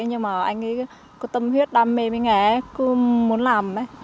nhưng mà anh ấy có tâm huyết đam mê với nghề ấy cứ muốn làm ấy